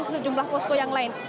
ke sejumlah posko yang lain